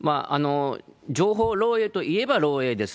情報漏えいといえば漏えいです。